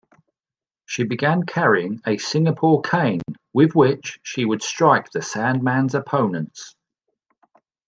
She began carrying a Singapore cane with which she would strike The Sandman's opponents.